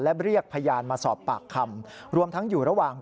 และเรียกพยานมาสอบปากคำรวมทั้งอยู่ระหว่าง